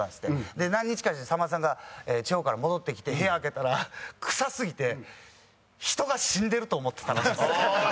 で何日かしてさんまさんが地方から戻ってきて部屋開けたら臭すぎて人が死んでると思ってたらしいです。